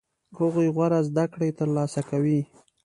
هغوی غوره زده کړې ترلاسه کوي.